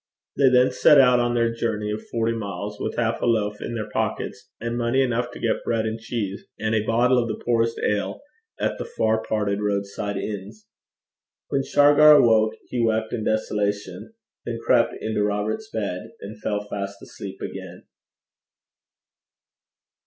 They then set out on their journey of forty miles, with half a loaf in their pockets, and money enough to get bread and cheese, and a bottle of the poorest ale, at the far parted roadside inns. When Shargar awoke, he wept in desolation, then crept into Robert's bed, and fell fast asleep again.